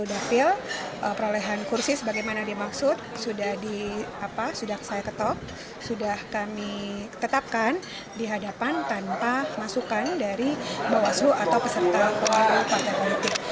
sudah perolehan kursi sebagaimana dimaksud sudah saya ketok sudah kami tetapkan di hadapan tanpa masukan dari bawaslu atau peserta partai politik